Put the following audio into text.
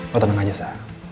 lo tenang aja sa